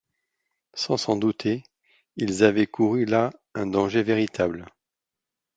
Sans s’en douter, ils avaient couru là un danger véritable.